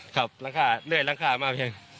ครับหลังคาเรื่อยหลังคามากเพียง